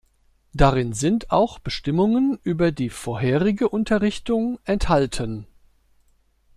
Darin sind auch Bestimmungen über die vorherige Unterrichtung enthalten.